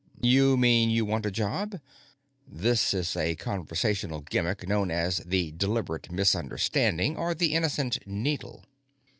"You mean you want a job?" This is a conversational gimmick known as The Deliberate Misunderstanding, or The Innocent Needle.